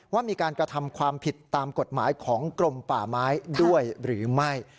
ว่ามีการกระทำความผิดตามกฎหมายของกรมป่าไม้ด้วยหรือไม่